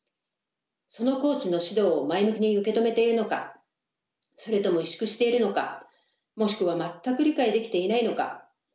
そのコーチの指導を前向きに受け止めているのかそれとも委縮しているのかもしくは全く理解できていないのか。